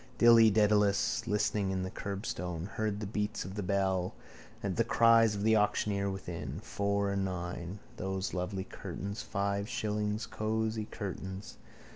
Dilly Dedalus, loitering by the curbstone, heard the beats of the bell, the cries of the auctioneer within. Four and nine. Those lovely curtains. Five shillings. Cosy curtains.